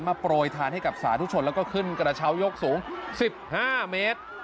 โปรยทานให้กับสาธุชนแล้วก็ขึ้นกระเช้ายกสูง๑๕เมตร